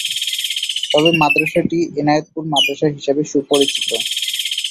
তবে মাদ্রাসাটি এনায়েতপুর মাদ্রাসা হিসাবে সুপরিচিত।